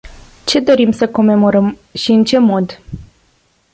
Ce dorim să comemorăm și în ce mod?